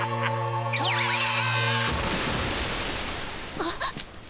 あっ！